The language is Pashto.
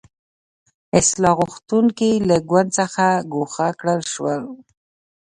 اصلاح غوښتونکي له ګوند څخه ګوښه کړل شو.